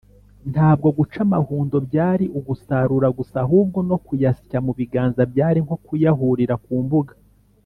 ntabwo guca amahundo byari ugusarura gusa, ahubwo no kuyasya mu biganza byari nko kuyahurira ku mbuga